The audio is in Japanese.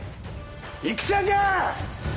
戦じゃ！